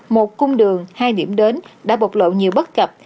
một cung đường hai điểm đến đã bộc lộ nhiều bất cập